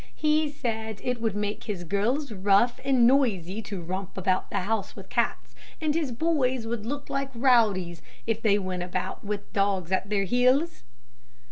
He said it would make his girls rough and noisy to romp about the house with cats, and his boys would look like rowdies if they went about with dogs at their heels."